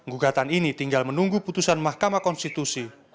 gugatan ini tinggal menunggu putusan mahkamah konstitusi